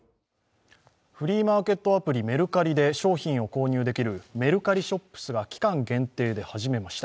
フリーマーケットアプリメルカリで商品を購入できるメルカリショップスが期間限定で始めました。